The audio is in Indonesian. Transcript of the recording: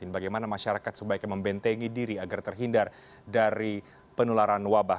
bagaimana masyarakat sebaiknya membentengi diri agar terhindar dari penularan wabah